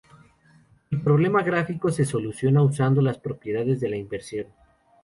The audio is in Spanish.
El problema gráfico se soluciona usando las propiedades de la Inversión.